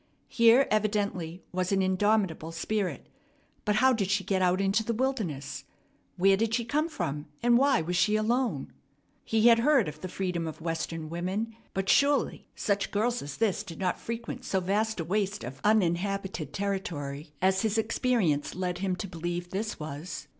Here evidently was an indomitable spirit, but how did she get out into the wilderness? Where did she come from, and why was she alone? He had heard of the freedom of Western women, but surely such girls as this did not frequent so vast a waste of uninhabited territory as his experience led him to believe this was.